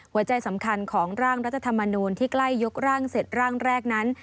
หัวใจสำคัญของร่างรัฐธรรมนูลที่ใกล้ยกร่างเสร็จร่างแรกนั้น